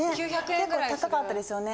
結構高かったですよね。